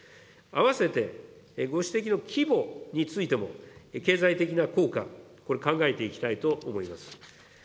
併せて、ご指摘の規模についても、経済的な効果、これ、考えていきたいと思います。